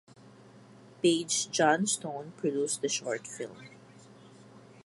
Paige Johnstone produced the short film.